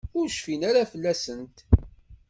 Ur cfin ara fell-asent.